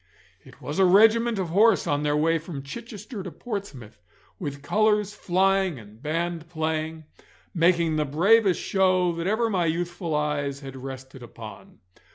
It was a regiment of horse on their way from Chichester to Portsmouth, with colours flying and band playing, making the bravest show that ever my youthful eyes had rested upon.